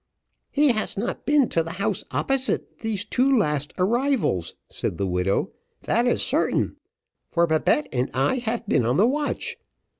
"He has not been to the house opposite these two last arrivals," said the widow, "that is certain; for Babette and I have been on the watch.